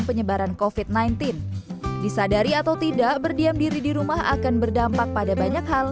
penyebaran kofit sembilan belas disadari atau tidak berdiam diri di rumah akan berdampak pada banyak hal